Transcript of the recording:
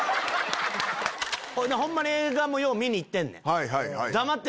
ホンマに映画もよう見に行ってんねん。